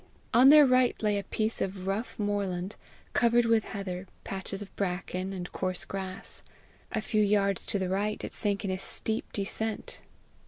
On their right lay a piece of rough moorland, covered with heather, patches of bracken, and coarse grass. A few yards to the right, it sank in a steep descent.